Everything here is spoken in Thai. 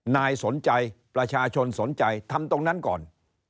นายสนใจประชาชนสนใจทำตรงนั้นก่อน